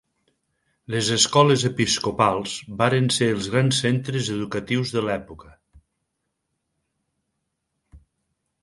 Les escoles episcopals varen ser els grans centres educatius de l'època.